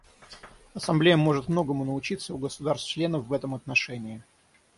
Ассамблея может многому научиться у государств-членов в этом отношении.